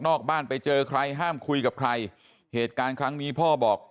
บ้านไปเจอใครห้ามคุยกับใครเหตุการณ์ครั้งนี้พ่อบอก